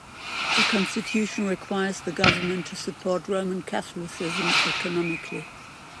The Constitution requires the government to support Roman Catholicism economically.